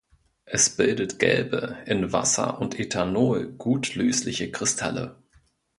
Es bildet gelbe, in Wasser und Ethanol gut lösliche Kristalle.